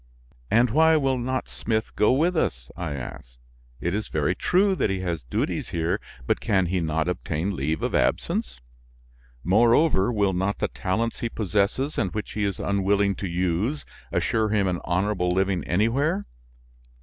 "And why will not Smith go with us?" I asked. "It is very true that he has duties here, but can he not obtain leave of absence? Moreover, will not the talents he possesses and which he is unwilling to use assure him an honorable living anywhere?